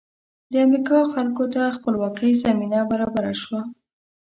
د امریکا خلکو ته خپلواکۍ زمینه برابره شوه.